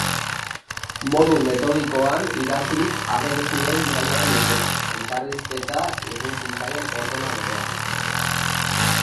Modu metodikoan idatzirik ageri ziren bidaiarien izenak, elkarrizketa egin zitzaien ordena berean.